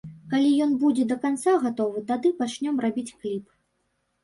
Калі ён будзе да канца гатовы, тады пачнём рабіць кліп.